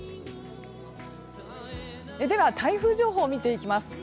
では、台風情報を見ていきます。